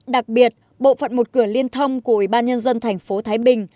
đặc biệt bộ phận một cửa liên thông của ủy ban nhân dân thành phố thái bình